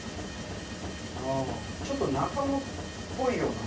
ちょっと中野っぽいような。